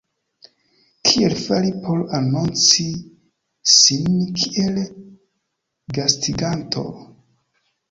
Kiel fari por anonci sin kiel gastiganto?